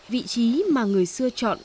vị trí mà người xưa chọn